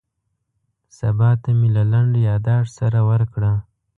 سبا ته مې له لنډ یاداښت سره ورکړه.